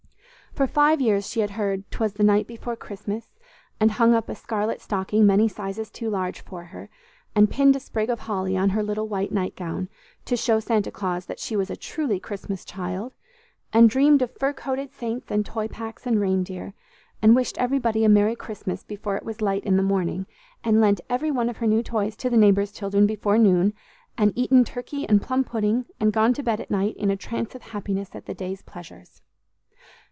For five years she had heard "'Twas the night before Christmas," and hung up a scarlet stocking many sizes too large for her, and pinned a sprig of holly on her little white night gown, to show Santa Claus that she was a "truly" Christmas child, and dreamed of fur coated saints and toy packs and reindeer, and wished everybody a "Merry Christmas" before it was light in the morning, and lent every one of her new toys to the neighbors' children before noon, and eaten turkey and plum pudding, and gone to bed at night in a trance of happiness at the day's pleasures.